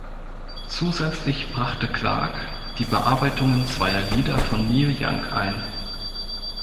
Zusätzlich brachte Clark die Bearbeitungen zweier Lieder von Neil Young ein.